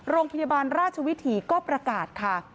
โรงพยาบาลราชวิถีก็ประกาศค่ะ